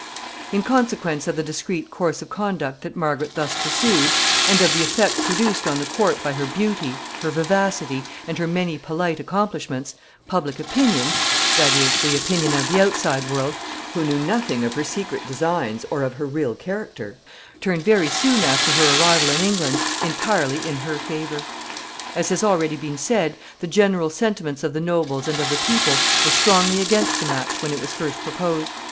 [Sidenote: Opinions in England.] In consequence of the discreet course of conduct that Margaret thus pursued, and of the effect produced on the court by her beauty, her vivacity, and her many polite accomplishments, public opinion that is, the opinion of the outside world, who knew nothing of her secret designs or of her real character turned very soon after her arrival in England entirely in her favor. As has already been said, the general sentiment of the nobles and of the people was strongly against the match when it was first proposed.